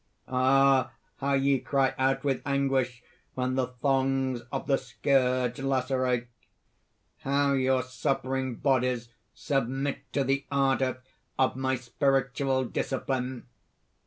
"Ah, how ye cry out with anguish when the thongs of the scourge lacerate! how your suffering bodies submit to the ardor of my spiritual discipline!